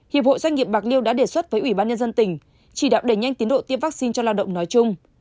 hiệp hội doanh nghiệp bạc liêu đã đề xuất với ủy ban nhân dân tỉnh chỉ đạo đẩy nhanh tiến độ tiêm vaccine cho lao động nói chung